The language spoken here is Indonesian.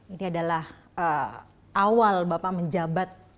ini adalah awal bapak menjabat